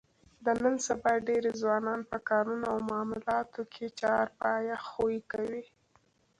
د نن سبا ډېری ځوانان په کارونو او معاملاتو کې چارپایه خوی کوي.